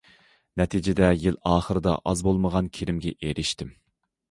نەتىجىدە، يىل ئاخىرىدا ئاز بولمىغان كىرىمگە ئېرىشتىم.